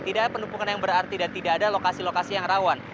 tidak ada penumpukan yang berarti dan tidak ada lokasi lokasi yang rawan